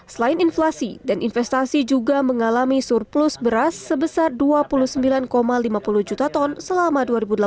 selain inflasi dan investasi juga mengalami surplus beras sebesar dua puluh sembilan lima puluh juta ton selama dua ribu delapan belas